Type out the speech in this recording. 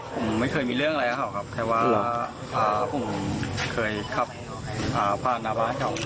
ผมไม่เคยมีเรื่องอะไรกับเขาครับแค่ว่าผมเคยขับผ่านหน้าบ้านเขา